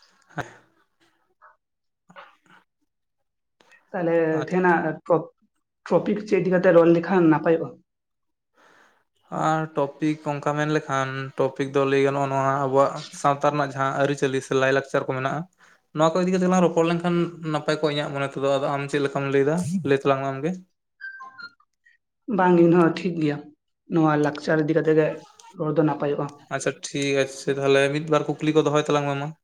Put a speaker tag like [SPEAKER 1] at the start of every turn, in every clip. [SPEAKER 1] [inaudible]
[SPEAKER 2] [inaudible] ᱛᱟᱞᱮ
[SPEAKER 1] ᱟᱪᱪᱷᱟ,
[SPEAKER 2] ᱛᱷᱮᱱᱟᱜ ᱴᱚᱯ ᱴᱚᱯᱤᱠ ᱪᱮᱜ ᱤᱫᱤ ᱠᱟᱛᱮ ᱨᱚᱲ ᱞᱮᱠᱷᱟᱱ ᱱᱟᱯᱟᱭᱚᱜᱼᱟ ᱾
[SPEAKER 1] [inaudible] ᱟᱨ ᱴᱚᱯᱤᱠ ᱚᱱᱠᱟ ᱢᱮᱱᱞᱮᱠᱷᱟᱱ ᱴᱚᱯᱤᱠ ᱫᱚ ᱞᱟᱹᱭ ᱜᱟᱱᱚᱜᱼᱟ ᱱᱚᱣᱟ ᱟᱵᱚᱣᱟᱜ ᱥᱟᱶᱛᱟ ᱨᱮᱱᱟᱜ ᱡᱟᱦᱟᱸ ᱟᱹᱨᱤᱪᱟᱹᱞᱤ ᱥᱮ ᱞᱟᱭᱼᱞᱟᱠᱪᱟᱨ ᱠᱚ ᱢᱮᱱᱟᱜᱼᱟ ᱾ ᱱᱚᱣᱟ ᱠᱚ ᱤᱫᱤ ᱠᱟᱛᱮ ᱞᱟᱝ ᱨᱚᱯᱚᱲ ᱞᱮᱱᱠᱷᱟᱱ ᱱᱟᱯᱟᱭ ᱠᱚᱜᱼᱟ ᱤᱧᱟᱹᱜ ᱢᱚᱱᱮ ᱛᱮᱫᱚ ᱟᱫᱚ ᱟᱢ ᱪᱮᱫ ᱞᱮᱠᱟᱢ ᱞᱟᱹᱭᱫᱟ ᱞᱟᱹᱭ ᱛᱟᱞᱟᱝ ᱢᱮ ᱟᱢᱜᱮ ᱾
[SPEAKER 2] ᱵᱟᱝ ᱤᱧ ᱦᱚ ᱴᱷᱤᱠ ᱜᱮᱭᱟ ᱱᱚᱣᱟ ᱞᱟᱠᱪᱟᱨ ᱤᱫᱤ ᱠᱟᱛᱮᱜ ᱜᱮ ᱨᱚᱲ ᱫᱚ ᱱᱟᱯᱟᱭᱚᱜᱼᱟ ᱾
[SPEAKER 1] ᱟᱪᱪᱷᱟ ᱴᱷᱤᱠ ᱟᱪᱷᱮ ᱛᱟᱦᱞᱮ ᱾ ᱢᱤᱫ ᱵᱟᱨ ᱠᱩᱠᱞᱤ ᱠᱚ ᱫᱚᱦᱚᱭ ᱛᱟᱞᱟᱝ ᱢᱮ ᱢᱟ ᱾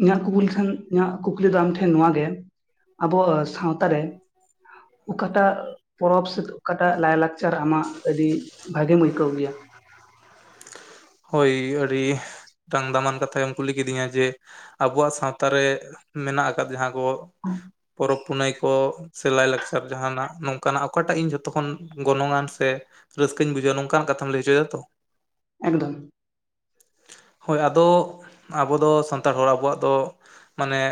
[SPEAKER 2] ᱤᱧᱟᱹᱜ ᱠᱩᱵᱩᱞ ᱴᱷᱮᱱ ᱤᱧᱟᱹᱜ ᱠᱩᱠᱞᱤ ᱫᱚ ᱟᱢᱴᱷᱮᱱ ᱱᱚᱣᱟᱜᱮ ᱟᱵᱚ ᱥᱟᱶᱛᱟᱟᱨᱮ᱾ ᱚᱠᱟᱴᱟᱜ᱾ ᱯᱚᱨᱚᱵᱽ ᱥᱮ ᱚᱠᱟᱴᱟᱜ ᱞᱟᱭ ᱞᱟᱠᱪᱟᱨ ᱟᱢᱟᱜ ᱟᱹᱰᱤ ᱵᱷᱟᱜᱮᱢ ᱟᱹᱭᱠᱟᱹᱣ ᱜᱮᱭᱟ?
[SPEAKER 1] ᱦᱳᱭ ᱟᱹᱰᱤ ᱢᱤᱫᱴᱟᱝ ᱫᱟᱢᱟᱱ ᱠᱟᱛᱷᱟ ᱜᱮᱢ ᱠᱩᱞᱤ ᱠᱤᱫᱤᱧᱟ ᱾ ᱡᱮ ᱟᱵᱚᱣᱟᱜ ᱥᱟᱶᱛᱟ ᱨᱮ ᱢᱮᱱᱟᱜ ᱟᱠᱟᱫ ᱡᱟᱦᱟᱸ ᱠᱚ᱾
[SPEAKER 2] ᱦᱚᱸ
[SPEAKER 1] ᱯᱚᱨᱚᱵᱽ ᱯᱩᱱᱟᱹᱭ ᱠᱚ ᱥᱮ ᱞᱟᱭᱼᱞᱟᱠᱪᱟᱨ ᱡᱟᱦᱟᱱᱟᱜ ᱱᱚᱝᱠᱟᱱᱟᱜ ᱚᱠᱟᱴᱟᱜ ᱤᱧ ᱡᱷᱚᱛᱚ ᱠᱷᱚᱱ ᱜᱚᱱᱚᱝ ᱟᱱ ᱥᱮ ᱨᱟᱹᱥᱠᱟᱹᱧ ᱵᱩᱡᱟᱹᱣᱟ ᱱᱚᱝᱠᱟᱱ ᱠᱟᱛᱷᱟᱢ ᱞᱟᱹᱭ ᱦᱚᱪᱚᱭ ᱫᱟ ᱛᱚ?
[SPEAKER 2] ᱮᱠᱫᱚᱢ᱾
[SPEAKER 1] ᱦᱳᱭ ᱟᱫᱚ ᱟᱵᱚ ᱫᱚ ᱥᱟᱱᱛᱟᱲ ᱦᱚᱲ ᱾ ᱟᱵᱚᱣᱟᱜ ᱫᱚ ᱢᱟᱱᱮ᱾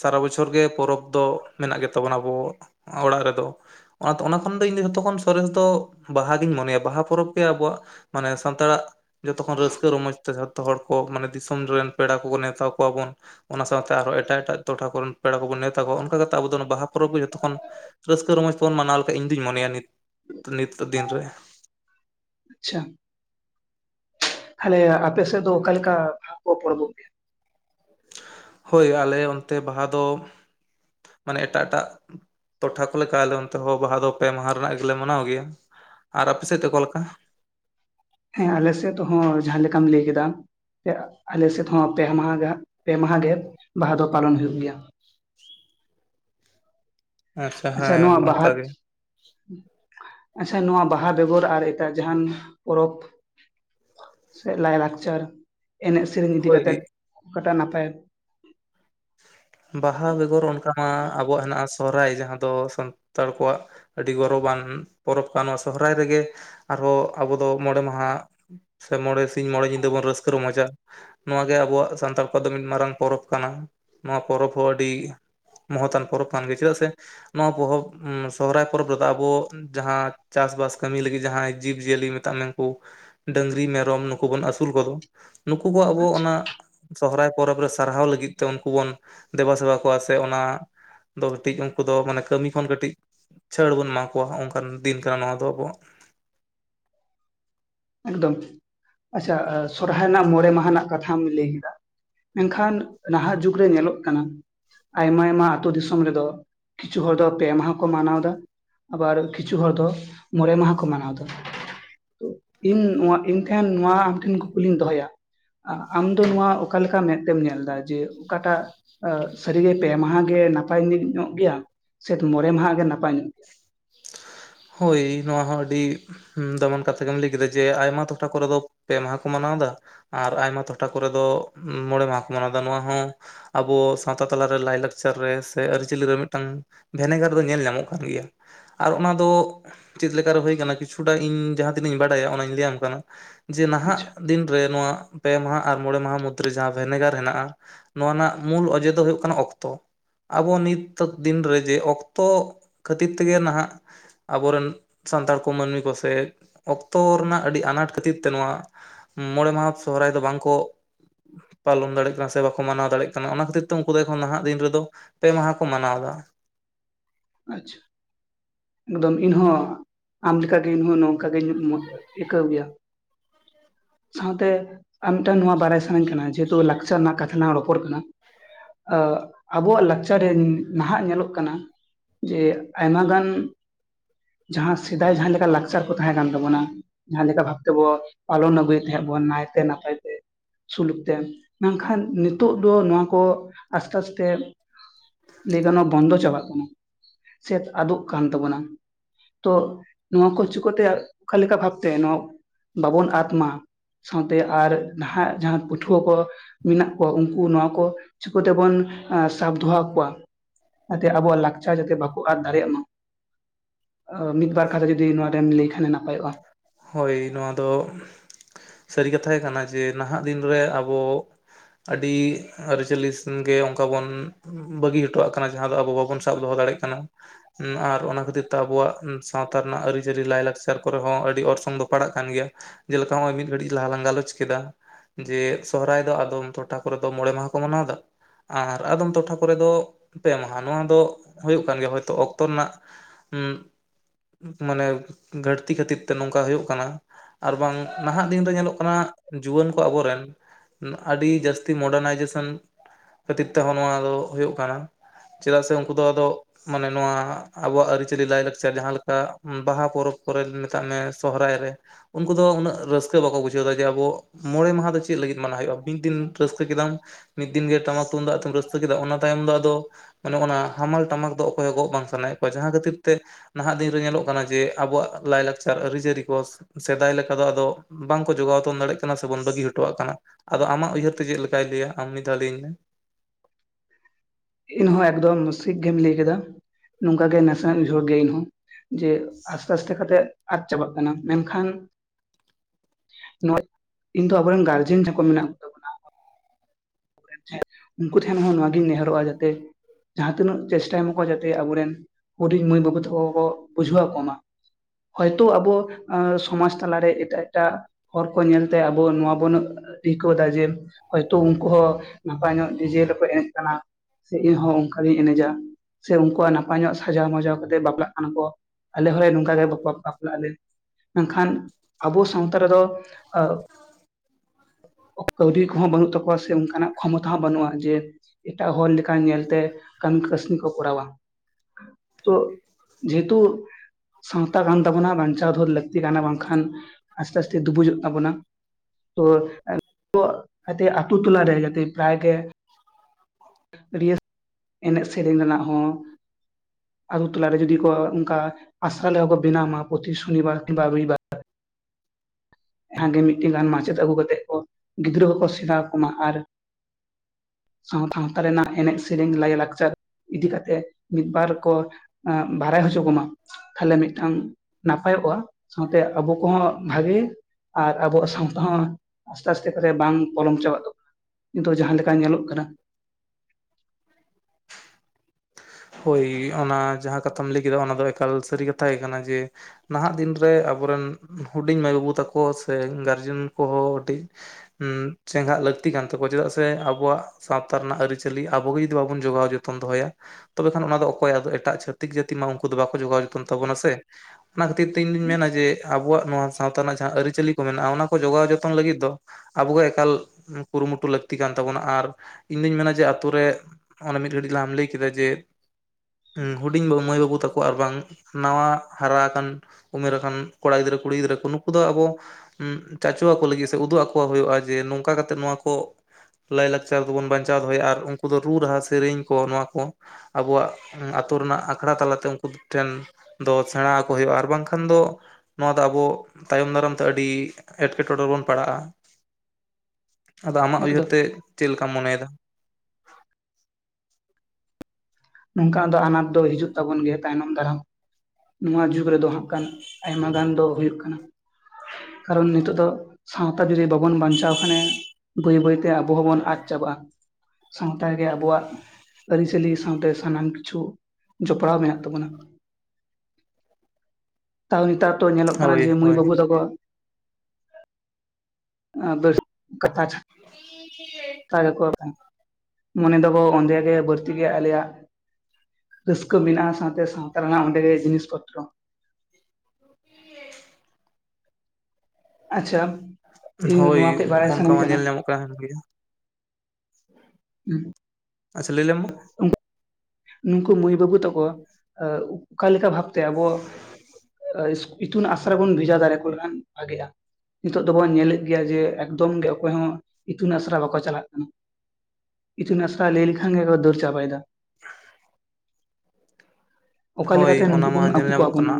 [SPEAKER 1] ᱥᱟᱨᱟ ᱵᱚᱪᱷᱚᱨ ᱜᱮ ᱯᱚᱨᱚᱵᱽ ᱫᱚ ᱢᱮᱱᱟᱜ ᱜᱮᱛᱟ ᱵᱚᱱᱟ ᱾ ᱟᱵᱚ ᱚᱲᱟᱜ ᱨᱮᱫᱚ᱾ ᱚᱱᱟ ᱚᱱᱟ ᱠᱷᱚᱱ ᱫᱚ ᱤᱧ ᱫᱚ ᱡᱷᱚᱛᱚ ᱠᱷᱚᱱ ᱥᱚᱨᱮᱥ ᱫᱚ ᱵᱟᱦᱟᱜᱤᱧ ᱢᱚᱱᱮᱭᱟ ᱾ ᱵᱟᱦᱟ ᱯᱚᱨᱚᱵᱽ ᱜᱮ ᱟᱵᱚᱣᱟᱜ ᱢᱟᱱᱮ ᱥᱟᱱᱛᱟᱲᱟᱜ ᱡᱷᱚᱛᱚ ᱠᱷᱚᱱ ᱨᱟᱹᱥᱠᱟᱹ ᱨᱚᱢᱚᱡᱽ ᱛᱮ ᱡᱷᱚᱛᱚ ᱦᱚᱲ ᱠᱚ ᱢᱟᱱᱮ ᱫᱤᱥᱚᱢ ᱨᱮᱱ ᱯᱮᱲᱟ ᱠᱚᱵᱚᱱ ᱱᱮᱶᱛᱟ ᱠᱚᱣᱟ ᱵᱚᱱ ᱾ ᱚᱱᱟ ᱥᱟᱶᱛᱮ ᱟᱨᱦᱚᱸ ᱮᱴᱟᱜ ᱮᱴᱟᱜ ᱛᱚᱴᱷᱟ ᱠᱚᱨᱮᱱ ᱯᱮᱲᱟ ᱠᱚᱵᱚᱱ ᱱᱮᱶᱛᱟ ᱠᱚᱣᱟ ᱾ ᱚᱱᱠᱟ ᱠᱟᱛᱮ ᱟᱵᱚ ᱫᱚ ᱱᱚᱣᱟ ᱵᱟᱦᱟ ᱯᱚᱨᱚᱵᱽ ᱜᱮ ᱡᱚᱛᱚ ᱠᱷᱚᱱ᱾ ᱨᱟᱹᱥᱠᱟᱹ ᱨᱚᱢᱚᱡᱽ ᱛᱮᱵᱚᱱ ᱢᱟᱱᱟᱣ ᱞᱮᱠᱷᱟᱡ ᱤᱧᱫᱩᱧ ᱢᱚᱱᱮᱭᱟ ᱱᱤᱛ ᱱᱤᱛᱜ ᱫᱤᱱ ᱨᱮ᱾
[SPEAKER 2] ᱟᱪᱪᱷᱟ᱾ ᱛᱟᱦᱞᱮ ᱟᱯᱮ ᱥᱮᱫ ᱫᱚ ᱚᱠᱟ ᱞᱮᱠᱟ ᱠᱚ ᱯᱚᱨᱚᱵᱚᱜ ᱜᱮᱭᱟ?
[SPEAKER 1] ᱦᱳᱭ ᱟᱞᱮ ᱚᱱᱛᱮ ᱵᱟᱦᱟ ᱫᱚ ᱢᱟᱱᱮ ᱮᱴᱟᱜ ᱮᱴᱟᱜ ᱴᱚᱴᱷᱟ ᱠᱚ ᱞᱮᱠᱟ ᱟᱞᱮ ᱚᱱᱛᱮ ᱦᱚᱸ ᱵᱟᱦᱟ ᱫᱚ ᱯᱮ ᱢᱟᱦᱟ ᱨᱮᱱᱟᱜ ᱜᱮᱞᱮ ᱢᱟᱱᱟᱣ ᱜᱮᱭᱟ ᱾ ᱟᱨ ᱟᱯᱮ ᱥᱮᱫ ᱫᱚ ᱚᱠᱟ ᱞᱮᱠᱟ?
[SPEAKER 2] ᱦᱮᱸ ᱟᱞᱮ ᱥᱮᱫ ᱦᱚᱸ ᱡᱟᱦᱟᱸ ᱞᱮᱠᱟᱢ ᱞᱟᱹᱭ ᱠᱮᱫᱟ ᱯᱮ ᱟᱜ ᱟᱞᱮ ᱥᱮᱫ ᱦᱚᱸ ᱯᱮ ᱢᱟᱦᱟ ᱜᱮ ᱦᱟᱸᱜ ᱯᱮ ᱢᱟᱦᱟ ᱜᱮ ᱵᱟᱦᱟ ᱫᱚ ᱯᱟᱞᱚᱱ ᱦᱩᱭᱩᱜ ᱜᱮᱭᱟ ᱾ ᱟᱪᱪᱷᱟ
[SPEAKER 1] ᱦᱮᱸ
[SPEAKER 2] ᱱᱚᱣᱟ ᱵᱟᱦᱟ
[SPEAKER 1] ᱚᱱᱠᱟ ᱜᱮ
[SPEAKER 2] ᱟᱪᱪᱷᱟ ᱱᱚᱣᱟ ᱵᱟᱦᱟ ᱵᱮᱜᱚᱨ ᱟᱨ ᱮᱴᱟᱜ ᱡᱟᱦᱟᱱ ᱯᱚᱨᱚᱵᱽ ᱥᱮ ᱞᱟᱭᱼᱞᱟᱠᱪᱟᱨ ᱮᱱᱮᱡ ᱥᱮᱨᱮᱧ ᱤᱫᱤ
[SPEAKER 1] ᱦᱳᱭ
[SPEAKER 2] ᱠᱟᱛᱮᱫ ᱚᱠᱟᱴᱟᱜ ᱱᱟᱯᱟᱭᱟ?
[SPEAKER 1] ᱵᱟᱦᱟ ᱵᱮᱜᱚᱨ ᱚᱱᱠᱟᱱᱟᱜ ᱟᱵᱚᱣᱟᱜ ᱦᱮᱱᱟᱜᱼᱟ ᱥᱚᱦᱚᱨᱟᱭ ᱡᱟᱦᱟᱸ ᱫᱚ ᱥᱟᱱᱛᱟᱲ ᱠᱚᱣᱟᱜ ᱟᱹᱰᱤ ᱜᱚᱨᱚᱵᱟᱱ ᱯᱚᱨᱚᱵᱽ ᱠᱟᱱᱟ ᱾ ᱱᱚᱣᱟ ᱥᱚᱦᱨᱟᱭ ᱨᱮᱜᱮ ᱟᱨᱦᱚᱸ ᱟᱵᱚ ᱫᱚ ᱢᱚᱬᱮ ᱢᱟᱦᱟ ᱥᱮ ᱢᱚᱬᱮ ᱥᱤᱧ ᱢᱚᱬᱮ ᱧᱤᱫᱟᱹ ᱵᱚᱱ ᱨᱟᱹᱥᱠᱟᱹ ᱨᱚᱢᱚᱡᱟ ᱾ ᱱᱚᱣᱟᱜᱮ ᱟᱵᱚᱣᱟᱜ ᱥᱟᱱᱛᱟᱲ ᱠᱚᱣᱟᱜ ᱫᱚ ᱢᱤᱫ ᱢᱟᱨᱟᱝ ᱯᱚᱨᱚᱵᱽ ᱠᱟᱱᱟ ᱾ ᱱᱚᱣᱟ ᱯᱚᱨᱚᱵᱽ ᱦᱚᱸ ᱟᱹᱰᱤ ᱢᱚᱦᱚᱛᱟᱱ ᱯᱚᱨᱚᱵᱽ ᱠᱟᱱ ᱜᱮ ᱾ ᱪᱮᱫᱟᱜ ᱥᱮ ᱱᱚᱣᱟ [unintelligible] ᱥᱚᱦᱨᱟᱭ ᱯᱚᱨᱚᱵᱽ ᱨᱮᱫᱚ ᱟᱵᱚ ᱡᱟᱦᱟᱸ ᱪᱟᱥᱵᱟᱥ ᱠᱟᱹᱢᱤ ᱞᱟᱹᱜᱤᱫ ᱡᱟᱦᱟᱸᱭ ᱡᱤᱵᱽ ᱡᱤᱭᱟᱹᱞᱤ ᱢᱮᱛᱟᱜ ᱢᱮ ᱩᱱᱠᱩ ᱰᱟᱹᱝᱨᱤ ᱢᱮᱨᱚᱢ ᱱᱩᱠᱩ ᱵᱚᱱ ᱟᱹᱥᱩᱞ ᱠᱚᱫᱚ ᱱᱩᱠᱩ ᱠᱚ ᱟᱵᱚ
[SPEAKER 2] ᱟᱪᱪᱷᱟ
[SPEAKER 1] ᱚᱱᱟ ᱥᱚᱦᱨᱟᱭ ᱯᱚᱨᱚᱵᱽ ᱨᱮ ᱥᱟᱨᱦᱟᱣ ᱞᱟᱹᱜᱤᱫ ᱛᱮ ᱩᱱᱠᱩ ᱵᱚᱱ ᱫᱮᱵᱟ ᱥᱮᱵᱟ ᱠᱚᱣᱟ ᱾ ᱥᱮ ᱚᱱᱟ ᱫᱚ ᱠᱟᱹᱴᱤᱡ ᱩᱱᱠᱩ ᱫᱚ ᱢᱟᱱᱮ ᱠᱟᱹᱢᱤ ᱠᱷᱚᱱ ᱠᱟᱹᱴᱤᱡ ᱪᱷᱟᱹᱲ ᱵᱚᱱ ᱮᱢᱟ ᱠᱚᱣᱟ ᱚᱱᱠᱟᱱ ᱫᱤᱱ ᱠᱟᱱᱟ ᱱᱚᱣᱟ ᱫᱚ ᱟᱵᱚᱣᱟᱜ ᱾
[SPEAKER 2] ᱮᱠᱫᱚᱢ ᱟᱪᱪᱷᱟ ᱥᱚᱨᱦᱟᱭ ᱨᱮᱱᱟᱜ ᱢᱚᱬᱮ ᱢᱟᱦᱟ ᱨᱮᱱᱟᱜ ᱠᱟᱛᱷᱟᱢ ᱞᱟᱹᱭ ᱠᱮᱫᱟ ᱢᱮᱱᱠᱷᱟᱱ ᱱᱟᱦᱟᱜ ᱡᱩᱜᱽᱨᱮ ᱧᱮᱞᱚᱜ ᱠᱟᱱᱟ ᱟᱭᱢᱟ ᱟᱭᱢᱟ ᱟᱹᱛᱩ ᱫᱤᱥᱚᱢ ᱨᱮᱫᱚ ᱠᱤᱪᱷᱩ ᱦᱚᱲ ᱫᱚ ᱯᱮ ᱢᱟᱦᱟ ᱠᱚ ᱢᱟᱱᱟᱣ ᱮᱫᱟ ᱟᱵᱟᱨ ᱠᱤᱪᱷᱩ ᱦᱚᱲ ᱫᱚ ᱢᱚᱬᱮ ᱢᱟᱦᱟ ᱠᱚ ᱢᱟᱱᱟᱣ ᱫᱟ ᱾ ᱤᱧ ᱱᱚᱣᱟ ᱤᱧᱴᱷᱮᱱ ᱱᱚᱣᱟ ᱟᱢᱴᱷᱮᱱ ᱠᱩᱠᱞᱤᱧ ᱫᱚᱦᱚᱭᱟ ᱟᱢᱫᱚ ᱱᱚᱣᱟ ᱚᱠᱟ ᱞᱮᱠᱟ ᱢᱮᱫ ᱛᱮᱢ ᱧᱮᱞ ᱫᱟ ᱡᱮ ᱚᱠᱟᱴᱟᱜ? ᱥᱟᱹᱨᱤᱜᱮ ᱯᱮ ᱢᱟᱦᱟ ᱜᱮ ᱱᱟᱯᱟᱭ ᱢᱤᱛ ᱧᱚᱜ ᱜᱮᱭᱟ ᱥᱮ ᱢᱚᱬᱮ ᱢᱟᱦᱟ ᱜᱮ ᱱᱟᱯᱟᱭ ᱧᱚᱜ ᱜᱮᱭᱟ?
[SPEAKER 1] ᱦᱳᱭ ᱱᱚᱣᱟ ᱦᱚᱸ ᱟᱹᱰᱤ ᱦᱩᱸ ᱫᱟᱢᱟᱱ ᱠᱟᱛᱷᱟ ᱜᱮᱢ ᱞᱟᱹᱭ ᱠᱮᱫᱟ ᱡᱮ ᱟᱭᱢᱟ ᱛᱚᱴᱷᱟ ᱠᱚᱨᱮ ᱫᱚ ᱯᱮ ᱢᱟᱦᱟ ᱠᱚ ᱢᱟᱱᱟᱣ ᱫᱟ ᱾ ᱟᱨ ᱟᱭᱢᱟ ᱛᱚᱴᱷᱟ ᱠᱚᱨᱮ ᱫᱚ ᱢᱚᱬᱮ ᱢᱟᱦᱟ ᱠᱚ ᱢᱟᱱᱟᱣ ᱫᱟ ᱱᱚᱣᱟ ᱦᱚᱸ ᱟᱵᱚ ᱥᱟᱶᱛᱟ ᱛᱟᱞᱟᱨᱮ ᱞᱟᱭᱼᱞᱟᱠᱪᱟᱨ ᱨᱮ ᱥᱮ ᱟᱹᱨᱤᱪᱟᱹᱞᱤ ᱨᱮ ᱢᱤᱫᱴᱟᱝ ᱵᱷᱮᱱᱮᱜᱟᱨ ᱫᱚ ᱧᱮᱞ ᱧᱟᱢᱚᱜ ᱠᱟᱱ ᱜᱮᱭᱟ ᱟᱨ ᱚᱱᱟ ᱫᱚ ᱪᱮᱫ ᱞᱮᱠᱟᱨᱮ ᱦᱳᱭ ᱠᱟᱱᱟ ᱠᱤᱪᱷᱩᱴᱟ ᱤᱧ ᱡᱟᱦᱟᱸ ᱛᱤᱱᱟᱹᱜ ᱤᱧ ᱵᱟᱰᱟᱭᱟ ᱚᱱᱟᱧ ᱞᱟᱹᱭᱟᱢ ᱠᱟᱱᱟ ᱡᱮ ᱱᱟᱦᱟᱜ
[SPEAKER 2] ᱟᱪᱪᱷᱟ
[SPEAKER 1] ᱫᱤᱱ ᱨᱮ ᱱᱚᱣᱟ ᱯᱮ ᱢᱟᱦᱟ ᱟᱨ ᱢᱚᱬᱮ ᱢᱟᱦᱟ ᱢᱚᱫᱽᱫᱨᱮ ᱡᱟᱦᱟᱸ ᱵᱷᱮᱱᱮᱜᱟᱨ ᱦᱮᱱᱟᱜᱼᱟ, ᱱᱚᱣᱟ ᱨᱮᱱᱟᱜ ᱢᱩᱞ ᱚᱡᱮ ᱫᱚ ᱦᱩᱭᱩᱜ ᱠᱟᱱᱟ ᱚᱠᱛᱚ᱾ ᱟᱵᱚ ᱱᱤᱛ ᱛᱚᱠ ᱫᱤᱱ ᱨᱮ ᱡᱮ ᱚᱠᱛᱚ ᱠᱷᱟᱹᱛᱤᱨ ᱛᱮᱜᱮ ᱱᱟᱦᱟᱸᱜ ᱟᱵᱚᱨᱮᱱ ᱥᱟᱱᱛᱟᱲ ᱠᱚ ᱢᱟᱹᱱᱢᱤ ᱠᱚᱥᱮ ᱚᱠᱛᱚ ᱨᱮᱱᱟᱜ ᱟᱹᱰᱤ ᱟᱱᱟᱴ ᱠᱷᱟᱹᱛᱤᱨ ᱛᱮ ᱱᱚᱣᱟ ᱢᱚᱬᱮ ᱢᱟᱦᱟ ᱥᱚᱦᱨᱟᱭ ᱫᱚ ᱵᱟᱝᱠᱚ ᱯᱟᱞᱚᱱ ᱫᱟᱲᱮᱜ ᱠᱟᱱᱟ ᱥᱮ ᱵᱟᱠᱚ ᱢᱟᱱᱟᱣ ᱫᱟᱲᱮᱜ ᱠᱟᱱᱟ ᱚᱱᱟ ᱠᱷᱟᱹᱛᱤᱨ ᱛᱮ ᱩᱱᱠᱩ ᱫᱚ ᱮᱠᱷᱚᱱ ᱱᱟᱦᱟᱜ ᱫᱤᱱ ᱨᱮᱫᱚ, ᱯᱮ ᱢᱟᱦᱟ ᱠᱚ ᱢᱟᱱᱟᱣᱫᱟ᱾
[SPEAKER 2] ᱟᱪᱪᱷᱟ ᱮᱠᱫᱚᱢ ᱤᱧᱦᱚᱸ ᱟᱢ ᱞᱮᱠᱟᱜᱮ ᱤᱧ ᱦᱚᱸ ᱱᱚᱝᱠᱟ ᱜᱤᱧ ᱤᱠᱟᱹᱣ ᱜᱮᱭᱟ ᱾ ᱥᱟᱶᱛᱮ ᱟᱨ ᱢᱤᱫᱴᱟᱝ ᱱᱚᱣᱟ ᱵᱟᱲᱟᱭ ᱥᱟᱹᱱᱟᱹᱧ ᱠᱟᱱᱟ ᱡᱮᱦᱮᱛᱩ ᱞᱟᱠᱪᱟᱨ ᱨᱮᱱᱟᱜ ᱠᱟᱛᱷᱟ ᱞᱟᱝ ᱨᱚᱯᱚᱲ ᱠᱟᱱᱟ ᱾ ᱟᱵᱚᱣᱟᱜ ᱞᱟᱠᱪᱟᱨ ᱨᱮ ᱱᱟᱦᱟᱜ ᱧᱮᱞᱚᱜ ᱠᱟᱱᱟ, ᱡᱮ ᱟᱭᱢᱟᱜᱟᱱ ᱡᱟᱦᱟᱸ ᱥᱮᱫᱟᱭ ᱡᱟᱦᱟᱸ ᱞᱮᱠᱟ ᱞᱟᱠᱪᱟᱨ ᱠᱚ ᱛᱟᱦᱮᱸ ᱠᱟᱱ ᱛᱟᱵᱚᱱᱟ, ᱡᱟᱦᱟᱸ ᱞᱮᱠᱟ ᱵᱷᱟᱵᱽ ᱛᱮᱵᱚ ᱯᱟᱞᱚᱱ ᱟᱹᱜᱩᱭᱮᱫ ᱛᱟᱦᱮᱸᱫ ᱵᱚᱱ ᱱᱟᱭᱛᱮ ᱱᱟᱯᱟᱭ ᱛᱮ᱾ ᱥᱩᱞᱩᱠ ᱛᱮ ᱢᱮᱱᱠᱷᱟᱱ ᱱᱤᱛᱚᱜ ᱫᱚ ᱱᱚᱣᱟ ᱠᱚ ᱟᱥᱛᱮ ᱟᱥᱛᱮ ᱞᱟᱹᱭ ᱜᱟᱱᱚᱜ-ᱟ ᱵᱚᱱᱫᱚ ᱪᱟᱵᱟᱜ ᱠᱟᱱᱟ ᱥᱮ ᱟᱫᱚᱜ ᱠᱟᱱ ᱛᱟᱵᱚᱱᱟ᱾ ᱛᱚ ᱱᱚᱣᱟ ᱠᱚ ᱪᱤᱠᱟᱹᱛᱮ ᱚᱠᱟᱞᱮᱠᱟ ᱵᱷᱟᱵᱽᱛᱮ ᱱᱚᱣᱟ ᱵᱟᱵᱚᱱ ᱟᱫ ᱢᱟ ᱥᱟᱶᱛᱮ ᱟᱨ ᱱᱟᱦᱟᱜ ᱡᱟᱦᱟᱸ ᱯᱟᱹᱴᱷᱩᱣᱟᱹ ᱠᱚ, ᱢᱮᱱᱟᱜ ᱠᱚᱣᱟ ᱩᱱᱠᱩ ᱱᱚᱣᱟ ᱠᱚ ᱪᱤᱠᱟᱹ ᱛᱮᱵᱚᱱ ᱥᱟᱵ ᱫᱚᱦᱚᱭᱟ ᱠᱚᱣᱟ? ᱟᱛᱮ ᱟᱵᱚ-ᱟᱜ ᱞᱟᱠ ᱟᱪᱪᱷᱟ ᱡᱟᱛᱮ ᱵᱟᱠᱚ ᱟᱫ ᱫᱟᱲᱮᱭᱟᱜ ᱢᱟ ᱢᱤᱫ ᱵᱟᱨ ᱠᱟᱛᱷᱟ ᱡᱩᱫᱤ ᱱᱚᱣᱟᱨᱮᱢ ᱞᱟᱹᱭ ᱠᱷᱟᱱ ᱱᱟᱯᱟᱭᱚᱜᱼᱟ᱾
[SPEAKER 1] ᱦᱳᱭ ᱱᱚᱣᱟ ᱫᱚ ᱥᱟᱹᱨᱤ ᱠᱟᱛᱷᱟ ᱜᱮ ᱠᱟᱱᱟ ᱡᱮ ᱱᱟᱦᱟᱜ ᱫᱤᱱᱨᱮ ᱟᱵᱚ, ᱟᱹᱰᱤ ᱟᱹᱨᱤᱪᱟᱹᱞᱤ ᱜᱮ ᱚᱱᱠᱟ ᱵᱚᱱ ᱵᱟᱹᱜᱤ ᱦᱚᱴᱚᱣᱟᱜ ᱠᱟᱱᱟ ᱡᱟᱦᱟᱸ ᱫᱚ ᱟᱵᱚ ᱵᱟᱵᱚᱱ ᱥᱟᱵ ᱫᱚᱦᱚ ᱫᱟᱲᱮᱭᱟᱜ ᱠᱟᱱᱟ᱾ ᱟᱨ ᱚᱱᱟ ᱠᱷᱟᱹᱛᱤᱨ ᱛᱮ ᱟᱵᱚᱣᱟᱜ, ᱥᱟᱶᱛᱟ ᱨᱮᱱᱟᱜ ᱟᱹᱨᱤᱪᱟᱹᱞᱤ ᱞᱟᱭᱼᱞᱟᱠᱪᱟᱨ ᱠᱚᱨᱮ ᱦᱚᱸ ᱟᱹᱰᱤ ᱚᱨᱥᱚᱝ ᱫᱚ ᱯᱟᱲᱟᱜ ᱠᱟᱱ ᱜᱮᱭᱟ᱾ ᱡᱮᱞᱮᱠᱟ ᱱᱚᱜ-ᱚᱭ ᱢᱤᱫ ᱜᱷᱟᱹᱲᱤᱡ ᱞᱟᱦ ᱞᱟᱝ ᱜᱟᱞᱚᱪ ᱠᱮᱫᱟ᱾ ᱡᱮ ᱥᱚᱦᱨᱟᱭ ᱫᱚ ᱟᱫᱚᱢ ᱴᱚᱴᱷᱟ ᱠᱚᱨᱮ ᱫᱚ ᱢᱚᱬᱮ ᱢᱟᱦᱟ ᱠᱚ ᱢᱟᱱᱟᱣᱭᱮᱫᱟ, ᱟᱨ ᱟᱫᱚᱢ ᱴᱚᱴᱷᱟ ᱠᱚᱨᱮ ᱫᱚ ᱯᱮ ᱢᱟᱦᱟ ᱱᱚᱣᱟ ᱫᱚ ᱦᱩᱭᱩᱜ ᱠᱟᱱ ᱜᱮᱭᱟ ᱦᱚᱭᱛᱳ ᱚᱠᱛᱚ ᱨᱮᱱᱟᱜ ᱦᱩᱸ ᱢᱟᱱᱮ ᱜᱷᱟᱴᱛᱤ ᱠᱷᱟᱹᱛᱤᱨ ᱛᱮ ᱱᱚᱝᱠᱟ ᱦᱩᱭᱩᱜ ᱠᱟᱱᱟ᱾ ᱟᱨ ᱵᱟᱝ ᱱᱟᱦᱟᱜ ᱫᱤᱱ ᱨᱮ ᱧᱮᱞᱚᱜ ᱠᱟᱱᱟ ᱡᱩᱣᱟᱹᱱ ᱠᱚ ᱟᱵᱚ ᱨᱮᱱ, ᱟᱹᱰᱤ ᱡᱟᱹᱥᱛᱤ ᱢᱚᱰᱟᱨᱱᱟᱭᱡᱮᱥᱚᱱ ᱠᱷᱟᱹᱛᱤᱨ ᱛᱮᱦᱚᱸ ᱱᱚᱣᱟ ᱫᱚ ᱦᱳᱭᱳᱜ ᱠᱟᱱᱟ᱾ ᱪᱮᱫᱟᱜ ᱥᱮ ᱩᱱᱠᱩ ᱫᱚ ᱟᱫᱚ ᱢᱟᱱᱮ ᱱᱚᱣᱟ ᱟᱵᱩᱣᱟᱜ ᱟᱹᱨᱤᱪᱟᱹᱞᱤ ᱞᱟᱭᱞᱟᱠᱪᱟᱨ ᱡᱟᱦᱟᱸ ᱞᱮᱠᱟ, ᱵᱟᱦᱟ ᱯᱚᱨᱚᱵᱽ ᱠᱚᱨᱮ ᱢᱮᱛᱟᱜ ᱢᱮ ᱥᱚᱦᱚᱨᱟᱭ ᱨᱮ, ᱩᱱᱠᱩ ᱫᱚ ᱩᱱᱟᱹᱜ ᱨᱟᱹᱥᱠᱟᱹ ᱵᱟᱠᱚ ᱵᱩᱡᱷᱟᱹᱣᱫᱟ ᱡᱮ ᱟᱵᱚ, ᱢᱚᱬᱮ ᱢᱟᱦᱟ ᱫᱚ ᱪᱮᱫ ᱞᱟᱹᱜᱤᱫ ᱢᱟᱱᱟᱣ ᱦᱩᱭᱩᱜᱼᱟ ᱢᱤᱫ ᱫᱤᱱ ᱨᱟᱹᱥᱠᱟᱹ ᱠᱮᱫᱟᱢ᱾ ᱢᱤᱫ ᱫᱤᱱᱜᱮ ᱴᱟᱢᱟᱠ ᱛᱩᱢᱫᱟᱜ ᱛᱮᱢ ᱨᱟᱹᱥᱠᱟᱹ ᱠᱮᱫᱟ ᱚᱱᱟ ᱛᱟᱭᱚᱢ ᱫᱚ ᱟᱫᱚ ᱢᱟᱱᱮ ᱚᱱᱟ ᱦᱟᱢᱟᱞ ᱴᱟᱢᱟᱠ ᱫᱚ ᱚᱠᱚᱭ ᱦᱚᱸ ᱜᱚᱜ ᱵᱟᱝ ᱥᱟᱱᱟᱭᱮᱫ ᱠᱚᱣᱟ ᱡᱟᱦᱟᱸ ᱠᱷᱟᱹᱛᱤᱨ ᱛᱮ ᱱᱟᱦᱟᱜ ᱫᱤᱱ, ᱨᱮ ᱧᱮᱞᱚᱜ ᱠᱟᱱᱟ ᱡᱮ ᱟᱵᱚᱣᱟᱜ ᱞᱟᱭᱞᱟᱠᱪᱟᱨ ᱟᱹᱨᱤᱪᱟᱹᱞᱤ ᱠᱚ, ᱥᱮᱫᱟᱭ ᱞᱮᱠᱟ ᱫᱚ ᱟᱫᱚ ᱵᱟᱝᱠᱚ ᱡᱚᱜᱟᱣ ᱡᱚᱛᱚᱱ ᱫᱟᱲᱮᱭᱟᱜ ᱠᱟᱱᱟ ᱥᱮᱵᱚᱱ ᱵᱟᱹᱜᱤ ᱦᱚᱴᱚᱣᱟᱜ ᱠᱟᱱᱟ᱾ ᱟᱫᱚ ᱟᱢᱟᱜ ᱩᱭᱦᱟᱹᱨ ᱛᱮ ᱪᱮᱫ ᱞᱮᱠᱟᱭ ᱞᱟᱹᱭᱟ ᱟᱢ ᱢᱤᱫ ᱫᱟᱣ ᱞᱟᱹᱭᱟᱹᱧ ᱢᱮ?
[SPEAKER 2] ᱤᱧᱦᱚᱸ ᱮᱠᱫᱚᱢᱥᱤᱠ ᱜᱮᱧ ᱞᱟᱹᱭ ᱠᱮᱫᱟ ᱱᱚᱝᱠᱟ ᱜᱮ ᱱᱟᱥᱮᱱᱟᱜ ᱤᱧ ᱩᱭᱦᱟᱹᱨ ᱜᱮᱭᱟ ᱤᱧᱦᱚᱸ, ᱡᱮ ᱟᱥᱛᱮ ᱟᱥᱛᱮ ᱠᱟᱛᱮ ᱟᱫ ᱪᱟᱵᱟᱜ ᱠᱟᱱᱟ᱾ ᱢᱮᱱᱠᱷᱟᱱ, ᱱᱚᱣᱟ ᱤᱧᱫᱚ ᱟᱵᱚᱨᱮᱱ ᱜᱟᱨᱡᱮᱱ ᱡᱟᱦᱟᱸᱠᱩ ᱢᱮᱱᱟᱜ ᱠᱚ, ᱛᱟᱵᱚᱱᱟ ᱩᱱᱠᱩ ᱴᱷᱮᱱ ᱦᱚᱸ ᱱᱚᱣᱟᱜᱤᱧ ᱱᱮᱦᱚᱨᱚᱜᱼᱟ ᱡᱟᱛᱮ, ᱡᱟᱦᱟᱸ ᱛᱤᱱᱟᱹᱜ ᱪᱮᱥᱴᱟᱭ ᱢᱟᱢᱟᱠᱚ ᱡᱟᱛᱮ ᱟᱵᱚᱨᱮᱱ ᱦᱩᱰᱤᱧ ᱢᱟᱹᱭ ᱵᱟᱹᱵᱩ ᱛᱟᱠᱚ ᱠᱚ ᱵᱩᱡᱷᱟᱹᱣ ᱟᱠᱚ ᱢᱟ᱾ ᱦᱚᱭᱛᱳ ᱟᱵᱚ ᱥᱚᱢᱟᱡ ᱛᱟᱞᱟᱨᱮ ᱮᱴᱟᱜ ᱮᱴᱟᱜ ᱦᱚᱲ ᱠᱚ ᱧᱮᱞᱛᱮ ᱟᱵᱚ ᱱᱚᱣᱟ ᱵᱚᱱ ᱟᱹᱭᱠᱟᱹᱣ ᱮᱫᱟ ᱡᱮ ᱦᱚᱳᱭᱛᱳ ᱩᱱᱠᱩ ᱦᱚᱸ ᱱᱟᱯᱟᱭ ᱧᱚᱜ ᱰᱤᱡᱮ ᱨᱮᱠᱚ ᱮᱱᱮᱡ ᱠᱟᱱᱟ ᱥᱮ ᱤᱧᱦᱚᱸ ᱚᱱᱠ ᱜᱤᱧ ᱮᱱᱮᱡᱟ ᱥᱮ ᱩᱱᱠᱩᱣᱟᱜ ᱱᱟᱯᱟᱭ ᱧᱚᱜ ᱥᱟᱡᱟᱣᱼᱡᱟᱣ ᱠᱟᱛᱮ ᱵᱟᱯᱞᱟᱜ ᱠᱟᱱᱟ ᱠᱚ ᱟᱞᱮ ᱦᱚᱲᱞᱮ ᱱᱚᱝᱠᱟ ᱜᱮ ᱵᱟᱯᱞᱟᱜᱼᱟ ᱞᱮ ᱢᱮᱱᱠᱷᱟᱱ ᱟᱵᱚ ᱥᱟᱶᱛᱟ ᱨᱮᱫᱚ ᱠᱟᱹᱣᱰᱤ ᱠᱚᱦᱚᱸ ᱵᱟᱹᱱᱩᱜ ᱛᱟᱠᱚᱣᱟ ᱥᱮ ᱚᱱᱠᱟᱱᱟᱜ ᱠᱷᱚᱢᱚᱛᱟ ᱦᱚᱸ ᱵᱟᱹᱱᱩᱜᱼᱟ ᱡᱮ ᱮᱴᱟᱜ ᱦᱚᱲ ᱞᱮᱠᱟ ᱧᱮᱞᱛᱮ ᱠᱟᱹᱢᱤ ᱠᱟᱹᱥᱱᱤ ᱠᱚ ᱠᱚᱨᱟᱣᱟ ᱛᱚ ᱡᱮᱦᱮᱛᱩ ᱥᱟᱶᱛᱟ ᱠᱟᱱ ᱛᱟᱵᱚᱱᱟ ᱵᱟᱧᱪᱟᱣ ᱫᱚ ᱞᱟᱹᱠᱛᱤ ᱠᱟᱱᱟ ᱵᱟᱝᱠᱷᱟᱱ ᱟᱥᱛᱮ ᱟᱥᱛᱮ ᱫᱩᱵᱩᱡᱚᱜ ᱛᱟᱵᱚᱱᱟ ᱾ ᱛᱚ ᱡᱟᱛᱮ ᱟᱛᱳ ᱴᱚᱞᱟᱨ ᱨᱮ ᱡᱟᱛᱮ ᱯᱨᱟᱭ ᱜᱮ ᱟᱹᱰᱤᱭᱟᱹᱟᱹ ᱮᱱᱮᱡ ᱥᱮᱨᱮᱧ ᱨᱮᱱᱟᱜ ᱦᱚᱸ ᱟᱛ ᱛᱚᱞᱟᱨᱮ ᱡᱩᱚᱫᱤ ᱠᱚ ᱚᱱᱠᱟ ᱟᱥᱨᱟ ᱞᱮᱦ ᱠᱚ ᱵᱮᱱᱟᱢᱟ ᱯᱨᱚᱛᱤ ᱥᱚᱱᱤᱵᱟᱨ ᱠᱤᱵᱟ ᱨᱵᱤᱵᱟᱨ ᱡᱟᱦᱟ ᱜᱮ ᱢᱤᱫᱴᱮᱱ ᱜᱟᱱ ᱢᱟᱪᱮᱫ ᱟᱹᱜᱩ ᱠᱟᱛᱮᱫ ᱠᱚ ᱜᱤᱫᱽᱨᱟᱹ ᱦᱚᱸᱠᱚ ᱥᱮᱬᱟ ᱠᱚᱢᱟ ᱟᱨ ᱥᱟᱶ ᱥᱟᱶᱛᱟ ᱨᱮᱱᱟᱜ ᱮᱱᱮᱡ, ᱥᱮᱨᱮᱧ, ᱞᱟᱭᱞᱟᱠᱪᱟᱨ ᱤᱫᱤ ᱠᱟᱛᱮ ᱢᱤᱫ ᱵᱟᱨ ᱠᱚ ᱵᱟᱲᱟᱭ ᱦᱚᱪᱚ ᱠᱚᱢᱟ ᱛᱟᱦᱚᱞᱮ ᱢᱤᱫᱴᱟᱝ ᱱᱟᱯᱟᱭᱚᱜᱼᱟ᱾ ᱥᱟᱶᱛᱮ ᱟᱵᱚ ᱠᱚᱦᱚᱸ ᱵᱷᱟᱜᱤ ᱟᱨ ᱟᱵᱚᱣᱟᱜ ᱥᱟᱶᱛᱟ ᱦᱚᱸ ᱟᱥᱛᱮ ᱟᱥᱛᱮ ᱵᱟᱝ ᱵᱚᱞᱚᱢ ᱪᱟᱵᱟᱜ ᱛᱟᱵᱚᱱᱟ ᱱᱤᱛᱚᱜ ᱡᱟᱦᱟᱸ ᱞᱮᱠᱟ ᱧᱮᱞᱚᱜ ᱠᱟᱱᱟ ᱾
[SPEAKER 1] ᱦᱳᱭ ᱚᱱᱟ ᱡᱟᱦᱟᱸ ᱠᱟᱛᱷᱟᱢ ᱞᱟᱹᱭ ᱠᱮᱫᱟ ᱚᱱᱟ ᱫᱚ ᱮᱠᱟᱞ ᱥᱟᱹᱨᱤ ᱠᱟᱛᱷᱟ ᱜᱮ ᱠᱟᱱᱟ ᱡᱮ᱾ ᱱᱟᱦᱟᱜ ᱫᱤᱱ ᱨᱮ ᱟᱵᱚᱨᱮᱱ ᱦᱩᱰᱤᱧ ᱢᱟᱹᱭ ᱵᱟᱹᱵᱩ ᱛᱟᱠᱚ ᱥᱮ ᱜᱟᱨᱡᱮᱱ ᱠᱚᱦᱚᱸ ᱟᱹᱰᱤ ᱪᱮᱸᱜᱷᱟᱜ ᱞᱟᱹᱠᱛᱤ ᱠᱟᱱ ᱛᱟᱠᱚᱣᱟ ᱪᱮᱫᱟᱜ ᱥᱮ ᱟᱵᱚᱣᱟᱜ ᱥᱟᱶᱛᱟ ᱨᱮᱱᱟᱜ ᱟᱹᱨᱤᱪᱟᱹᱞᱤ ᱟᱵᱚᱮ ᱡᱩᱚᱫᱤ ᱵᱟᱵᱚᱱ ᱡᱚᱜᱟᱣ ᱡᱚᱛᱚᱱ ᱫᱚᱦᱚᱭᱟ ᱛᱚᱵᱮ ᱠᱷᱟᱱ ᱚᱱᱟ ᱫᱚ ᱚᱠᱚᱭᱟᱜ ᱮᱴᱟᱜ ᱪᱷᱟᱹᱛᱤᱠ ᱡᱟᱹᱛᱤ ᱢᱟ ᱩᱱᱠᱩ ᱫᱚ ᱵᱟᱠᱚ ᱡᱚᱜᱟᱣ ᱡᱚᱛᱚᱱ ᱛᱟᱵᱚᱱᱟ ᱥᱮ ᱚᱱᱟ ᱠᱷᱟᱹᱛᱤᱨ ᱛᱮ ᱤᱧᱫᱩᱧ ᱢᱮᱱᱟ ᱡᱮ ᱟᱵᱚᱣᱟᱜ ᱱᱚᱣᱟ ᱥᱟᱶᱛᱟ ᱨᱮᱱᱟᱜ ᱡᱟᱦᱟᱸ ᱟᱹᱨᱤᱪᱟᱹᱞᱤ ᱠᱚ ᱢᱮᱱᱟᱜᱼᱟ ᱚᱱᱟ ᱠᱚ ᱡᱚᱜᱟᱣ ᱡᱚᱛᱚᱱ ᱞᱟᱹᱜᱤᱫ ᱫᱚ ᱟᱵᱚᱜᱮ ᱮᱠᱟᱞ ᱠᱩᱨᱩᱢᱩᱴᱩ ᱞᱟᱹᱠᱛᱤ ᱠᱟᱱ ᱛᱟᱵᱚᱱᱟ ᱟᱨ ᱤᱧ ᱫᱩᱧ ᱢᱮᱱᱟ ᱡᱮ ᱟᱛᱩᱨ ᱨᱮ ᱚᱱᱟ ᱢᱤᱫ ᱜᱷᱟᱹᱲᱤᱡ ᱞ ᱮᱢ ᱞᱟᱹᱭ ᱠᱮᱫᱟ ᱡᱮ ᱦᱩᱰᱤᱧ ᱢᱟᱹᱭ ᱵᱟᱹᱵᱩ ᱛᱟᱠᱚ ᱟᱨ ᱵᱟᱝ ᱱᱟᱣᱟ ᱦᱟᱨᱟ ᱟᱠᱟᱱ ᱩᱢᱮᱨ ᱟᱠᱟᱱ ᱠᱚᱲᱟ ᱜᱤᱫᱽᱨᱟᱹ ᱠᱩᱲᱤ ᱜᱤᱫᱽᱨᱟᱹ ᱠᱚ ᱱᱩᱠᱩ ᱫᱚ ᱟᱵᱚ ᱪᱟᱪᱚᱣᱟ ᱠᱚ ᱞᱟᱹᱜᱤᱫ ᱥᱮ ᱩᱫᱩᱜ ᱟᱠᱚ ᱦᱩᱭᱩᱜᱼᱟ ᱡᱮ ᱱᱚᱝᱠᱟ ᱠᱟᱛᱮᱜ ᱱᱚᱣᱟ ᱠᱚ ᱞᱟᱭᱼᱞᱟᱠᱪᱟᱨ ᱠᱚᱵᱚᱱ ᱵᱟᱧᱪᱟᱣ ᱫᱚᱦᱚᱭᱟ ᱟᱨ ᱩᱱᱠᱩ ᱫᱚ ᱨᱩ ᱨᱟᱦᱟ ᱥᱮᱨᱮᱧ ᱠᱚ ᱱᱚᱣᱟ ᱠᱚ᱾ ᱟᱵᱚᱣᱟᱜ ᱟᱹᱛᱳ ᱨᱮᱱᱟᱜ ᱟᱠᱷᱲᱟ ᱛᱟᱞᱟᱛᱮ ᱩᱱᱠᱩ ᱴᱷᱮᱱ ᱫᱚ ᱥᱮᱬᱟ ᱟᱠᱚ ᱦᱩᱭᱩᱜᱼᱟ ᱟᱨ ᱵᱟᱝᱠᱷᱟᱱ ᱫᱚ ᱱᱚᱣᱟ ᱫᱚ ᱟᱵᱚ ᱛᱟᱭᱚᱢ ᱫᱟᱨᱟᱢ ᱛᱮ, ᱟᱹᱰᱤ ᱮᱸᱴᱠᱮᱴᱚᱬᱮ ᱨᱮ ᱵᱚᱱ ᱯᱟᱲᱟᱜᱼᱟ᱾ ᱟᱫᱚ ᱟᱢᱟᱜ ᱩᱭᱦᱟᱹᱨ
[SPEAKER 2] ᱮᱠᱫᱚᱢ
[SPEAKER 1] ᱛᱮ ᱪᱮᱫ ᱞᱮᱠᱟᱢ ᱢᱚᱱᱮᱭᱫᱟ?
[SPEAKER 2] ᱱᱚᱝᱠᱟ ᱟᱫᱚ ᱟᱱᱟᱴ ᱫᱚ ᱦᱤᱡᱩᱜ ᱛᱟᱵᱚᱱ ᱜᱮᱭᱟ ᱛᱟᱭᱱᱚᱢ ᱫᱟᱨᱟᱢ᱾ ᱱᱚᱣᱟ ᱡᱩᱜᱽ ᱨᱮᱫᱚ ᱦᱟᱜ ᱠᱟᱱᱟ ᱟᱭᱢᱟ ᱜᱟᱱ ᱫᱚ ᱦᱩᱭᱩᱜ ᱠᱟᱱᱟ᱾ ᱠᱟᱨᱚᱱ ᱱᱤᱛᱚᱜ ᱫᱚ ᱥᱟᱶᱛᱟ ᱡᱩᱫᱤ ᱵᱟᱵᱚᱱ ᱵᱟᱧᱪᱟᱣ ᱠᱷᱟᱱᱮ ᱵᱟᱹᱭ ᱵᱟᱹᱭᱛᱮ ᱟᱵᱚ ᱦᱚᱸᱵᱚᱱ ᱟᱫ ᱪᱟᱵᱟᱜᱼᱟ᱾ ᱥᱟᱶᱛᱟ ᱜᱮ ᱟᱵᱚᱣᱟᱜ ᱟᱹᱨᱤᱪᱟᱹᱞᱤ ᱥᱟᱶᱛᱮ ᱥᱟᱱᱟᱢ ᱠᱤᱪᱷᱩ ᱡᱚᱯᱲᱟᱣ ᱢᱮᱱᱟᱜ ᱛᱟᱵᱚᱱᱟ᱾ ᱛᱟᱣ ᱱᱮᱛᱟᱨ ᱫᱚ ᱧᱮᱞᱚᱜ ᱠᱟᱱᱟ
[SPEAKER 1] ᱦᱳᱭ
[SPEAKER 2] ᱡᱮ ᱢᱟᱹᱭ
[SPEAKER 1] ᱦᱳᱭ
[SPEAKER 2] ᱵᱟᱹᱵᱩ ᱛᱟᱠᱚ [unintelligible] ᱟ ᱵᱮᱥ ᱠᱟᱛᱷᱟ
[SPEAKER 1] ᱦ ᱴᱷᱤᱠ [inaudible] [unintelligible]
[SPEAKER 2] [unintelligible] ᱜᱮᱠᱚ ᱿ ᱢᱚᱱᱮ ᱫᱟᱵᱚ ᱚᱸᱰᱮ ᱜᱮ ᱵᱟᱹᱲᱛᱤ ᱜᱮ ᱟᱞᱮᱭᱟᱜ ᱨᱟᱹᱥᱠᱟᱹ ᱢᱮᱱᱟᱜᱼᱟ ᱥᱟᱶᱛᱮ ᱥᱟᱶᱛᱟ ᱨᱮᱱᱟᱜ ᱚᱸᱰᱮ ᱜᱮ ᱡᱤᱱᱤᱥ ᱯᱚᱛᱨᱚ᱾ ᱟᱪᱪᱷᱟ ᱤᱧ
[SPEAKER 1] ᱦᱳᱭ
[SPEAKER 2] ᱱᱚᱣᱟ ᱠᱟᱹᱡ ᱵᱟᱲᱟᱭ
[SPEAKER 1] ᱚᱱᱠᱟ
[SPEAKER 2] ᱥᱟᱱᱟᱧ
[SPEAKER 1] ᱢᱟ
[SPEAKER 2] ᱠᱟᱱᱟ
[SPEAKER 1] ᱧᱮᱞ ᱧᱟᱢᱚᱜ ᱠᱟᱱ ᱜᱮᱭᱟ᱾
[SPEAKER 2] ᱦᱩᱸᱻ᱾
[SPEAKER 1] ᱟᱪᱪᱷᱟ ᱞᱟᱹᱭ ᱞᱮᱢ ᱢᱟ?
[SPEAKER 2] ᱚ [inaudible] [unintelligible] ᱱᱩᱠᱩ ᱢᱟᱹᱭ ᱵᱟᱹᱵᱩ ᱛᱟᱠᱚ ᱚᱠᱟ ᱞᱮᱠᱟ ᱵᱷᱟᱵᱛᱮ ᱟᱵᱚ ᱤᱛᱩᱱ ᱟᱥᱲᱟ ᱵᱚᱱ ᱵᱷᱮᱡᱟ ᱫᱟᱲᱮ ᱠᱚ ᱠᱷᱟᱱ ᱵᱷᱟᱜᱮᱜᱼᱟ᱾ ᱱᱤᱛᱚᱜ ᱫᱚᱵᱚᱱ ᱧᱮᱞᱮᱫ ᱜᱮᱭᱟ ᱡᱮ, ᱮᱠᱫᱚᱢ ᱜᱮ ᱚᱠᱚᱭ ᱦᱚᱸ ᱤᱛᱩᱱ ᱟᱥᱲᱟ ᱵᱟᱠᱚ ᱪᱟᱞᱟᱜ ᱠᱟᱱᱟ᱾ ᱤᱛᱩᱤᱱ ᱟᱥᱲᱟ ᱞᱟᱹᱭ ᱞᱮᱠᱷᱟᱱ ᱜᱮ ᱠᱚ ᱫᱟᱹᱨ ᱪᱟᱯᱟᱭ ᱫᱟ᱾ ᱚᱠᱟ
[SPEAKER 1] ᱦᱳᱭ
[SPEAKER 2] ᱞᱮᱠᱟᱛᱮ
[SPEAKER 1] ᱚᱱᱟ
[SPEAKER 2] ᱱᱩᱠᱩ
[SPEAKER 1] ᱢᱟ
[SPEAKER 2] ᱵᱚᱱ
[SPEAKER 1] ᱧᱮᱞ
[SPEAKER 2] ᱟᱜᱩ
[SPEAKER 1] ᱧᱟᱢᱚᱜ
[SPEAKER 2] ᱠᱚᱣᱟ ᱵᱚᱱ ᱱᱚ
[SPEAKER 1] ᱠᱟᱱᱟ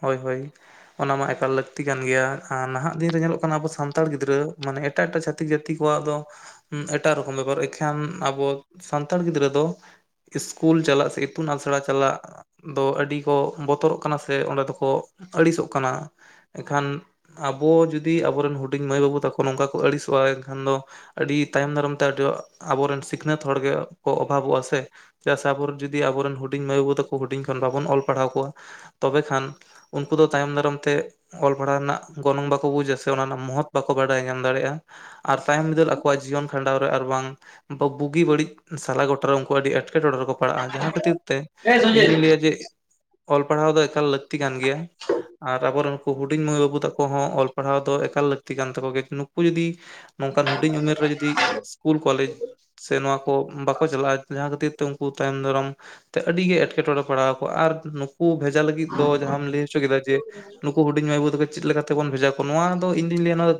[SPEAKER 1] ᱦᱳᱭᱻ ᱦᱳᱭᱻ᱾ ᱚᱱᱟ ᱢᱟ ᱮᱠᱟᱞ ᱞᱟᱹᱠᱛᱤ ᱠᱟᱱ ᱜᱮᱭᱟ, ᱟᱨ ᱱᱟᱦᱟᱸᱜ ᱫᱤᱱᱨᱮ ᱧᱮᱞᱚᱜ ᱠᱟᱱᱟ ᱟᱵᱚ ᱥᱟᱱᱛᱟᱲ ᱜᱤᱫᱽᱨᱟᱹ ᱢᱟᱱᱮ ᱮᱴᱟᱜ ᱮᱴᱟᱜ ᱪᱷᱟᱟᱹᱛᱤᱠ ᱡᱟᱹᱛᱤ ᱠᱚᱣᱟᱜ ᱫᱚ ᱮᱴᱟᱜ ᱨᱚᱠᱚᱢ ᱵᱮᱯᱟᱨ᱾ ᱮᱱᱠᱷᱟᱱ ᱟᱵᱚ ᱥᱟᱱᱛᱟᱲ ᱜᱤᱫᱽᱨᱟᱹ ᱫᱚ- ᱤᱥᱠᱩᱞ ᱪᱟᱞᱟᱜ ᱥᱮ ᱤᱛᱩᱱ ᱟᱥᱲᱟ ᱪᱟᱞᱟᱜ ᱫᱚ ᱟᱹᱰᱤ ᱠᱚ ᱵᱚᱛᱚᱨᱚᱜ ᱠᱟᱱᱟ ᱥᱮ? ᱛᱮ ᱚᱸᱰᱮ ᱫᱚᱠᱚ ᱟᱹᱲᱤᱥᱚᱜ ᱠᱟᱱᱟ ᱮᱱᱠᱷᱟᱱ ᱟᱵᱚ ᱡᱩᱫᱤ ᱟᱵᱚᱨᱮᱱ ᱦᱩᱰᱤᱧ ᱢᱟᱹᱭ ᱵᱟᱹᱵᱩ ᱛᱟᱠᱚ ᱱᱚᱝᱠᱟ ᱠᱚ ᱟᱹᱲᱤᱥᱚᱜᱼᱟ᱾ ᱮᱱᱠᱷᱟᱱ ᱫᱚ ᱟᱹᱰᱤ ᱛᱟᱭᱚᱢ ᱫᱟᱨᱟᱢ ᱛᱮ ᱟᱹᱰᱤ ᱟᱵᱚᱨᱮᱱ ᱥᱤᱠᱷᱱᱟᱹᱛ ᱦᱚᱲᱜᱮ ᱠᱚ, ᱚᱵᱷᱟᱵᱚᱜᱼᱟ ᱥᱮ ᱪᱮᱫᱟᱜ ᱥᱮ ᱟᱵᱚ ᱡᱩᱫᱤ ᱟᱵᱚᱨᱮᱱ ᱦᱩᱰᱤᱧ ᱢᱟᱹᱭ ᱵᱟᱹᱵᱩ ᱛᱟᱠᱚ ᱦᱩᱰᱤᱧ ᱠᱷᱚᱱ ᱵᱟᱵᱚᱱ ᱚᱞ ᱯᱟᱲᱦᱟᱣ ᱠᱚᱣᱟ, ᱛᱚᱵᱮ ᱠᱷᱟᱱ ᱩᱱᱠᱩ ᱫᱚ ᱛᱟᱭᱚᱢ ᱫᱟᱨᱟᱢ ᱛᱮ ᱚᱞ ᱯᱟᱲᱦᱟᱣ ᱨᱮᱱᱟᱜ ᱜᱚᱱᱚᱝ ᱵᱟᱠᱚ ᱵᱩᱡᱟ ᱥᱮ ᱚᱱᱟ ᱨᱮᱱᱟᱜ ᱢᱚᱦᱚᱛ ᱵᱟᱠᱚ ᱵᱟᱰᱟᱭ ᱧᱟᱢ ᱫᱟᱲᱮᱜᱼᱟ᱾ ᱟᱨ ᱛᱟᱭᱚᱢ ᱵᱤᱫᱟᱹᱞ ᱟᱠᱚᱣᱟᱜ ᱡᱤᱭᱚᱱ ᱠᱷᱟᱸᱰᱟᱣ ᱨᱮ ᱟᱨ ᱵᱟᱝ ᱵᱟ ᱵᱩᱜᱤ ᱵᱟᱹᱲᱤᱡ ᱥᱟᱞᱟ ᱜᱚᱴᱟᱨᱮ ᱩᱱᱠᱩ ᱟᱹᱰᱤ ᱮᱴᱠᱮᱴᱚᱬᱮ ᱨᱮᱠᱚ ᱯᱟᱲᱟᱜᱼᱟ᱾ ᱡᱟᱦᱟᱸ ᱠᱷᱟᱹᱛᱤᱨ ᱛᱮ ᱤᱧ ᱫᱩᱧ ᱞᱟᱹᱭᱟ ᱡᱮ ᱚᱞ ᱯᱟᱲᱦᱟᱣ ᱫᱚ ᱮᱠᱟᱞ ᱞᱟᱹᱠᱛᱤ ᱠᱟᱱ ᱜᱮᱭᱟ ᱟᱨ ᱟᱵᱚᱨᱮᱱ ᱦᱩᱰᱤᱧ ᱢᱟᱹᱭ ᱵᱟᱹᱵᱩ ᱛᱟᱠᱚ ᱦᱚᱸ ᱚᱞ ᱯᱟᱲᱦᱟᱣ ᱫᱚ, ᱮᱠᱟᱞ ᱞᱟᱹᱠᱛᱤ ᱠᱟᱱ ᱛᱟᱠᱚ ᱜᱮᱭᱟ᱾ ᱱᱩᱠᱩ ᱡᱩᱫᱤ ᱱᱚᱝᱠᱟᱱ ᱦᱩᱰᱤᱧ ᱩᱢᱮᱨ ᱨᱮ ᱡᱩᱫᱤ ᱥᱠᱩᱞ ᱠᱚᱞᱮᱡᱽ ᱥᱮ ᱱᱚᱣᱟ ᱠᱚ ᱵᱟᱠᱚ ᱪᱟᱞᱟᱜᱼᱟ᱾ ᱡᱟᱦᱟᱸ ᱠᱷᱟᱹᱛᱤᱨ ᱛᱮ ᱩᱱᱠᱩ ᱛᱟᱭᱚᱢ ᱫᱟᱨᱟᱢ ᱟᱹᱰᱤᱜᱮ ᱮᱸᱴᱠᱮᱴᱬᱮ ᱯᱟᱲᱟᱣ ᱠᱚᱣᱟ᱾ ᱟᱨ ᱱᱩᱠᱩ ᱵᱷᱮᱡᱟ ᱞᱟᱹᱜᱤᱫᱽ ᱫᱚ ᱡᱟᱦᱟᱢ ᱞᱟᱹᱭ ᱦᱚᱪᱚ ᱠᱮᱫᱟ ᱡᱮ, ᱱᱩᱠᱩ ᱦᱩᱰᱤᱧ ᱢᱟᱹᱭ ᱵᱟᱵᱩ ᱛᱟᱠᱚ ᱪᱮᱫ ᱞᱮᱠᱟᱛᱮᱵᱚᱱ ᱵᱷᱮᱡᱟ ᱠᱚᱣᱟ᱾ ᱱᱚᱣᱟ ᱫᱚ ᱤᱧ ᱫᱩᱧ ᱞᱟᱹᱭᱟ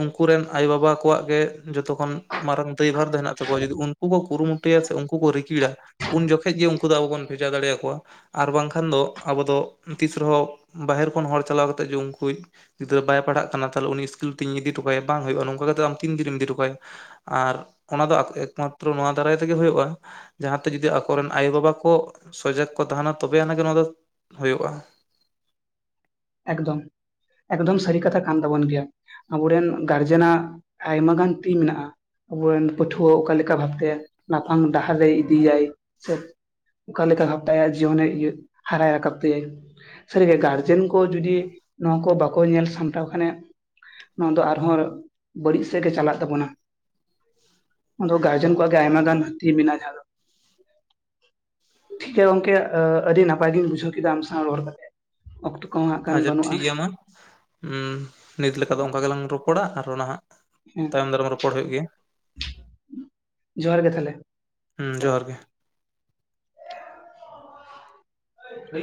[SPEAKER 1] ᱩᱱᱠᱩᱨᱮᱱ ᱟᱭᱳᱼᱵᱟᱵᱟ ᱠᱚᱣᱟᱜ ᱜᱮ ᱡᱚᱛᱚ ᱠᱷᱚᱱ ᱢᱟᱨᱟᱝ ᱫᱟᱹᱭᱵᱷᱟᱨ ᱫᱚ ᱦᱮᱱᱟᱜ ᱛᱟᱠᱚᱣᱟ᱾ ᱡᱩᱫᱤ ᱩᱱᱠᱩ ᱠᱚ ᱠᱩᱨᱩᱢᱩᱴᱩᱭᱟ ᱥᱮ ᱩᱱᱠᱩ ᱠᱚ ᱨᱤᱠᱤᱲᱟ᱾ ᱩᱱ ᱡᱚᱠᱷᱮᱡ ᱜᱮ ᱩᱝᱠᱩ ᱫᱚ ᱟᱵᱚ ᱵᱚᱱ ᱵᱷᱮᱡᱟ ᱫᱟᱲᱮᱭᱟᱠᱚᱣᱟ ᱟᱨ ᱵᱟᱝᱠᱷᱟᱱ ᱫᱚ ᱟᱵᱚ ᱫᱚ ᱛᱤᱥ ᱨᱮᱦᱚᱸ ᱵᱟᱦᱮᱨ ᱠᱷᱚᱱ ᱦᱚᱲ ᱪᱟᱞᱟᱣ ᱠᱟᱛᱮᱫ ᱡᱮ ᱩᱝᱠᱩᱡ ᱜᱤᱫᱽᱨᱟᱹ ᱵᱟᱭ ᱯᱟᱲᱦᱟᱜ ᱠᱟᱱᱟ ᱛᱟᱦᱞᱮ ᱩᱱᱤ ᱤᱥᱠᱤᱞ ᱛᱤᱧ ᱤᱫᱤᱴᱚᱠᱟᱭᱟ ᱵᱟᱝ ᱦᱩᱭᱩᱜ ᱱᱚᱝᱠᱟ ᱠᱟᱛᱮᱫ ᱫᱚ ᱟᱢ ᱛᱤᱱ ᱫᱤᱱᱮᱢ ᱤᱫᱤᱴᱚᱠᱟᱭᱟ ᱟᱨ ᱚᱱᱟ ᱫᱚ ᱟᱠ ᱮᱠᱢᱟᱛᱨᱚ ᱱᱚᱣᱟ ᱫᱟᱨᱟᱭ ᱛᱮᱜᱮ ᱦᱩᱭᱩᱜᱼᱟ ᱡᱟᱦᱟᱸᱛᱮ ᱡᱚᱫᱤ ᱟᱠᱚᱨᱮᱱ ᱟᱭᱳᱼᱵᱟᱵᱟ ᱠᱚ ᱥᱚᱡᱟᱜᱽ ᱠᱚ ᱛᱟᱦᱮᱱᱟ ᱛᱚᱵᱮ ᱟᱱᱟᱜ ᱜᱮ ᱱᱚᱣᱟ ᱫᱚ ᱦᱩᱭᱩᱜᱼᱟ
[SPEAKER 2] ᱮᱠᱫᱚᱢ, ᱮᱠᱫᱚᱢ ᱥᱟᱹᱨᱤ ᱠᱟᱛᱷᱟ ᱠᱟᱱ ᱛᱟᱵᱚᱱ ᱜᱮᱭᱟ ᱟᱵᱚᱨᱮᱱ ᱜᱟᱨᱡᱮᱱᱟᱜ ᱟᱭᱢᱟ ᱜᱟᱱ ᱛᱤ ᱢᱮᱱᱟᱜᱼᱟ ᱟᱵᱚᱨᱮᱱ ᱯᱟᱹᱴᱷᱩᱣᱟᱹ ᱚᱠᱟᱮ ᱞᱮᱠᱟ ᱵᱷᱟᱵᱛᱮ ᱞᱟᱯᱷᱟᱝ ᱰᱟᱦᱟᱨ ᱨᱮᱭ ᱤᱫᱤᱭᱟᱭ ᱥᱮ ᱚᱠᱟᱞᱮᱠᱟ ᱵᱷᱟᱵᱽ ᱛᱮ ᱟᱭᱟᱜ ᱡᱤᱭᱚᱱᱮ ᱤᱭᱟᱹ ᱦᱟᱨᱟ ᱨᱟᱠᱟᱵ ᱛᱟᱭᱟᱭ, ᱥᱟᱹᱨᱤ ᱜᱮ ᱜᱟᱨᱡᱮᱱ ᱠᱚ ᱡᱩᱫᱤ ᱱᱚᱣᱟ ᱠᱚ ᱵᱟᱠᱚ ᱧᱮᱞ ᱥᱟᱢᱴᱟᱣ ᱠᱷᱟᱱᱮ ᱱᱚᱣᱟ ᱫᱚ ᱟᱨᱦᱚᱸ ᱵᱟᱹᱲᱤᱡ ᱥᱮᱫ ᱜᱮ ᱪᱟᱞᱟᱜ ᱛᱟᱵᱚᱱᱟ ᱚᱱᱟᱫᱚ ᱜᱟᱨᱡᱮᱱ ᱠᱚᱣᱟᱜ ᱜᱮ ᱟᱭᱢᱟ ᱜᱟᱱ ᱦᱟᱹᱛᱤ ᱢᱮᱱᱟᱜᱼᱟ ᱠᱷᱟᱡ ᱫᱚ ᱛᱚ, ᱜᱚ ᱜᱚᱝᱠᱮ ᱟᱹᱰᱤ ᱱᱟᱯᱟᱭ ᱜᱤᱧ ᱵᱩᱡᱷᱟᱹᱣ ᱠᱮᱫᱟ ᱟᱢ ᱥᱟᱶ ᱨᱚᱲ ᱠᱟᱛᱮᱜ ᱚᱠᱛᱚ ᱠᱚᱦᱚᱸ ᱦᱟᱸᱜ ᱠᱷᱟᱱ ᱵᱟᱹᱱᱩᱜᱼᱟ
[SPEAKER 1] ᱦᱩᱸ ᱱᱤᱛ ᱞᱮᱠᱟ ᱫᱚ ᱚᱝᱠᱟ ᱜᱮᱞᱟᱝ ᱨᱚᱯᱚᱲᱟ ᱟᱨ ᱦᱟᱸᱜ
[SPEAKER 2] ᱦᱮᱸ
[SPEAKER 1] ᱛᱟᱭᱚᱢ ᱫᱟᱨᱟᱢ ᱨᱚᱯᱚᱲ ᱦᱩᱭᱩᱜ ᱜᱮᱭᱟ
[SPEAKER 2] ᱡᱚᱦᱟᱨ ᱜᱮ ᱛᱟᱦᱞᱮ
[SPEAKER 1] ᱦᱩᱸ ᱡᱚᱦᱟᱨ ᱜᱮ
[SPEAKER 2] [inaudible]